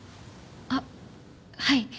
あっはい。